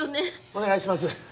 お願いします